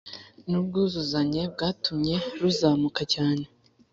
n ubwuzuzanye byatumye ruzamuka cyane